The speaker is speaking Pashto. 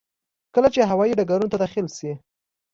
کله چې هوايي ډګرونو ته داخل شي.